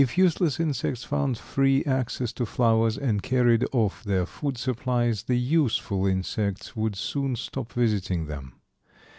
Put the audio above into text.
If useless insects found free access to flowers and carried off their food supplies, the useful insects would soon stop visiting them.